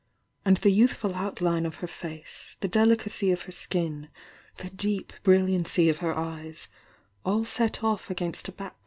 "''^^^ youVf^foutline o her face, the delicacy of her skin, tht ■ ep brillia icv of her eyes, all set off against a backfc.